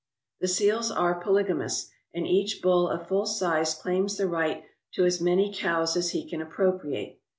The seals are polygamous, and each bull of full size claims the right to as many cows as he can appropriate.